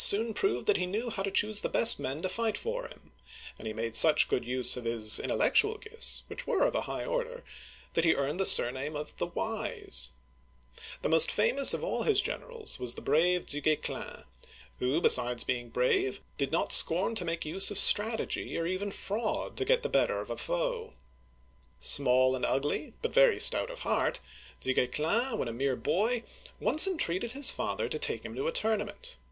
soon proved that he knew how to choose the best men to fight for him ; and he made such good use of his intellectual gifts, — which were of a high order, — that he earned the surname of "the Wise.'* The most famous of all his generals was the brave Du Guesclin(ge klSN'), who, besides being brave did not scorn Drawing by Du Semane, Du Guesclin rides to the Tournament. to make use of strategy or even fraud to get the better of a foe. Small and ugly, but very stout of heart, Du Gues clin, when a mere boy, once entreated his father to take him to a tournament.